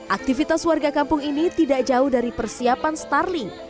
aktivitas warga kampung ini tidak jauh dari persiapan starling